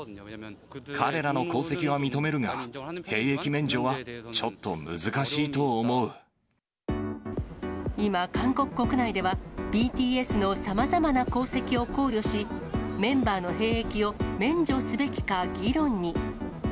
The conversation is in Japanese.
彼らの功績は認めるが、今、韓国国内では、ＢＴＳのさまざまな功績を考慮し、メンバーの兵役を免除すべきか議論に。